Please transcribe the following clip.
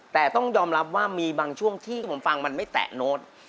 แต่ต้องยอมรับว่ามีบางช่วงที่ผมฟังมันไม่แตะโน้ต